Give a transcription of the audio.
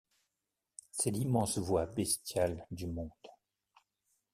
C’est l’immense voix bestiale du monde.